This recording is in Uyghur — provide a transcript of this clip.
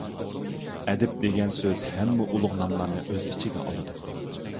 ئەدىب دېگەن سۆز ھەممە ئۇلۇغ ناملارنى ئۆز ئىچىگە ئالىدۇ.